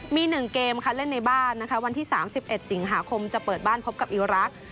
มี๑เกมค่ะเล่นในบ้านนะคะวันที่๓๑สิงหาคมจะเปิดบ้านพบกับอิรักษ์